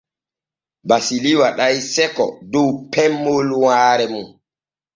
Basili waɗay sekko dow pemmol waare mum.